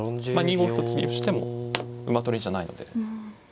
２五歩と継ぎ歩しても馬取りじゃないので。